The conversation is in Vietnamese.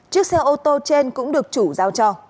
chiếc xe ô tô trên cũng được chủ giao cho